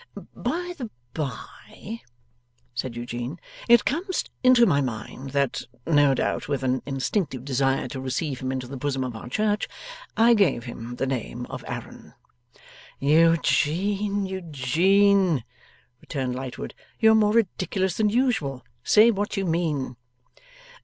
'By the by,' said Eugene, 'it comes into my mind that no doubt with an instinctive desire to receive him into the bosom of our Church I gave him the name of Aaron!' 'Eugene, Eugene,' returned Lightwood, 'you are more ridiculous than usual. Say what you mean.